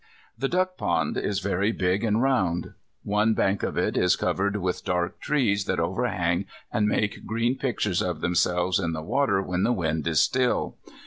The duck pond is very big and round. One bank of it is covered with dark trees that overhang and make green pictures of themselves in the water when the wind is still.